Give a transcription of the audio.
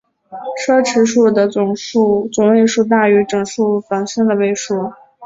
奢侈数的总位数大于整数本身的位数。